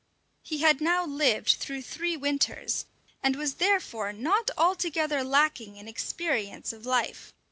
He had now lived through three winters, and was therefore not altogether lacking in experience of life.